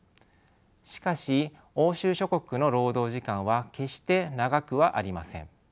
しかし欧州諸国の労働時間は決して長くはありません。